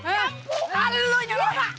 kamu harus pulang kamu harus pulang